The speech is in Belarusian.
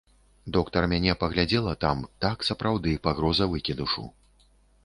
Доктар мяне паглядзела там, так, сапраўды, пагроза выкідышу.